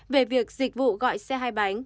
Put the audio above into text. về việc dịch vụ gọi xe hai bánh